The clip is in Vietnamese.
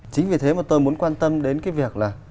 chính vì thế mà tôi muốn quan tâm đến cái việc là